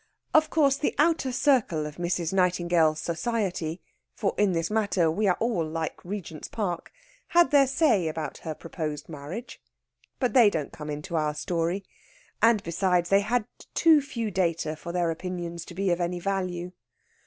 Of course, the outer circle of Mrs. Nightingale's society (for in this matter we are all like Regents Park) had their say about her proposed marriage. But they don't come into our story; and besides, they had too few data for their opinions to be of any value.